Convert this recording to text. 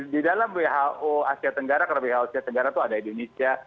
di dalam who asia tenggara karena who asia tenggara itu ada indonesia